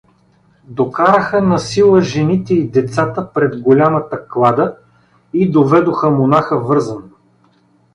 Докараха насила жените и децата пред голямата клада и доведоха монаха вързан.